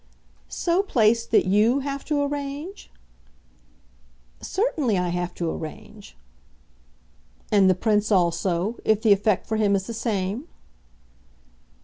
"So placed that YOU have to arrange?" "Certainly I have to arrange." "And the Prince also if the effect for him is the same?"